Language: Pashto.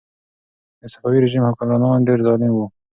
د صفوي رژیم حکمرانان ډېر ظالم وو.